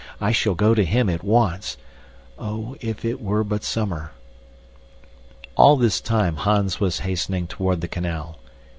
I shall go to him at once. Oh, if it were but summer! All this time Hans was hastening toward the canal.